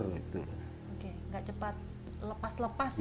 oke enggak cepat lepas lepas gitu ya